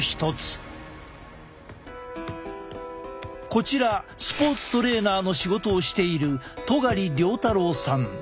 こちらスポーツトレーナーの仕事をしている戸苅遼太郎さん。